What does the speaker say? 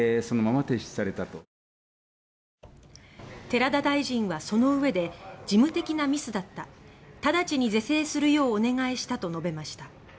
寺田大臣はそのうえで「事務的なミスだった直ちに是正するようお願いした」と述べました。